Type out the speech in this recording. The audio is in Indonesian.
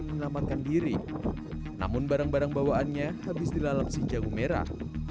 menyelamatkan diri namun barang barang bawaannya habis dilalap si jagung merah